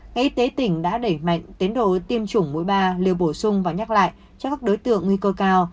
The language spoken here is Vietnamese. ngày tế tỉnh đã đẩy mạnh tiến đổi tiêm chủng mũi ba liều bổ sung và nhắc lại cho các đối tượng nguy cơ cao